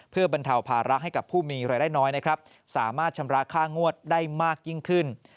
เพื่อบรรเทาภาระให้กับผู้มีรายได้น้อยนะครับสามารถชำระค่างวดได้มากยิ่งขึ้น